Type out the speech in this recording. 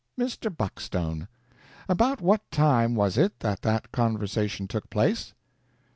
"Mr. Buckstone, about what time was it that that conversation took place?"